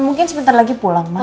mungkin sebentar lagi pulang mas